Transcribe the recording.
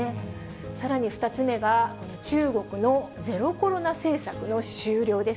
さらに２つ目が、この中国のゼロコロナ政策の終了です。